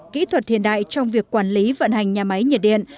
kỹ thuật hiện đại trong việc quản lý vận hành nhà máy nhiệt điện